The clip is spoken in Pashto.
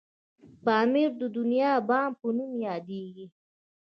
پامير د دنيا بام په نوم یادیږي.